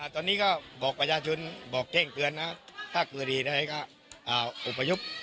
ตอนนี้ก็บอกประชาชนบอกเจ้งเกือบนะถ้าเกือบดีได้ก็เอาอุปยุป